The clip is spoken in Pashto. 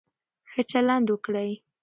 ښه چلند وکړئ.